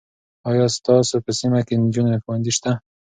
آیا ستاسو په سیمه کې د نجونو ښوونځی سته؟